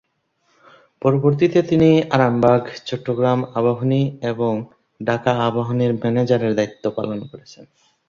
পরবর্তীতে তিনি আরামবাগ, চট্টগ্রাম আবাহনী এবং ঢাকা আবাহনীর ম্যানেজারের দায়িত্ব পালন করেছেন।